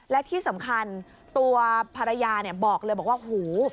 และที่สำคัญตัวภรรยาบอกเลยบอกว่าหู